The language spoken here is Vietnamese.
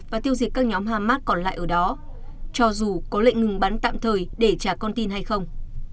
và tiêu diệt các nhóm hamas còn lại ở đó cho dù có lệnh ngừng bắn tạm thời để trả con tin hay không